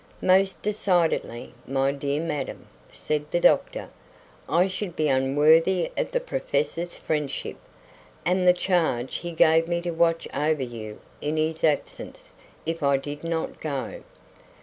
"Most decidedly, my dear madam," said the doctor. "I should be unworthy of the professor's friendship, and the charge he gave me to watch over you in his absence, if I did not go."